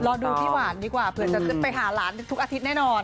รอดูพี่หวานดีกว่าเผื่อจะขึ้นไปหาหลานทุกอาทิตย์แน่นอน